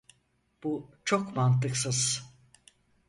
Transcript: Bu çok mantıksız.